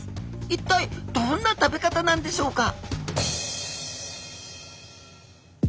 一体どんな食べ方なんでしょうか？